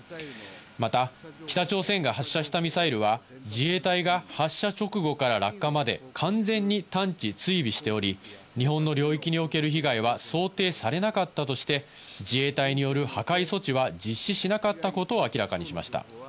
また、北朝鮮が発射したミサイルは自衛隊が発射直後から落下まで完全に探知・追尾しており、日本の領域における被害は想定されなかったとして、自衛隊による破壊措置は実施しなかったことを明らかにしました。